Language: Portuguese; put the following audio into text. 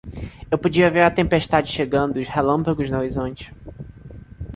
Eu podia ver a tempestade chegando e os relâmpagos no horizonte.